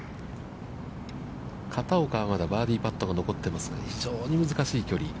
片岡はまだバーディーパットが残ってますが、非常に難しい距離。